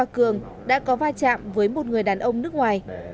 cường đã có va chạm với một người đàn ông nước ngoài